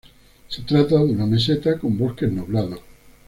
Se trata de una meseta con bosques nublados.